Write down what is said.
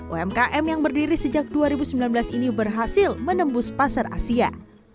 umkm yang berdiri sejak dua ribu sembilan belas ini berhasil menembus pasar asia